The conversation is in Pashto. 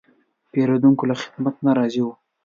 پیرودونکی له خدمت نه راضي و.